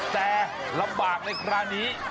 แต่ลำบากในคราวนี้